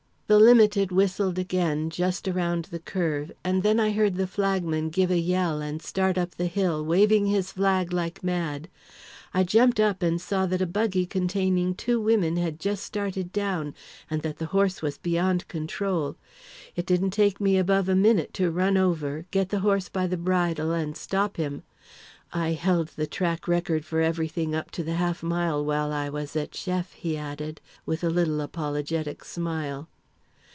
"The limited whistled again, just around the curve, and then I heard the flagman give a yell and start up the hill, waving his flag like mad. I jumped up and saw that a buggy containing two women had just started down and that the horse was beyond control. It didn't take me above a minute to run over, get the horse by the bridle, and stop him. I held the track record for everything up to the half mile while I was at Sheff," he added, with a little apologetic smile.